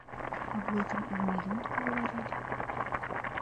Аб гэтым і ў маёнтку гаварылі.